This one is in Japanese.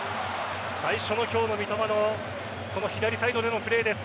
最初の今日の三笘の左サイドでのプレーです。